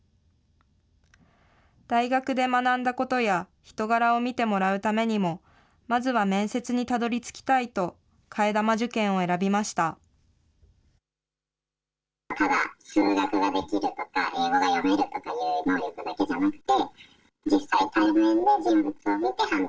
大学で学んだことや、人柄を見てもらうためにも、まずは面接にたどりつきたいと、替え玉受検を選びました。